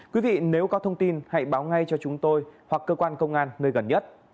quý vị nếu có thông tin hãy báo ngay cho chúng tôi hoặc cơ quan công an nơi gần nhất